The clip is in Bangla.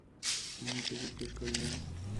এমনিতে জিজ্ঞেস করি না।